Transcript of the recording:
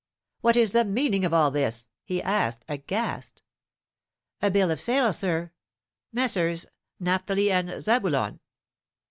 "What is the meaning of all this?" he asked, aghast. "A bill of sale, sir. Messrs. Napthali and Zabulon."